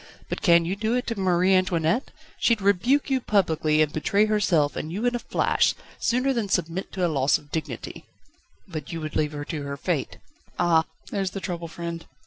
But can you do it to Marie Antoinette? She'd rebuke you publicly, and betray herself and you in a flash, sooner than submit to a loss of dignity." "But would you leave her to her fate?" "Ah! there's the trouble, friend.